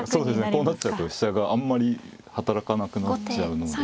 こうなっちゃうと飛車があんまり働かなくなっちゃうので。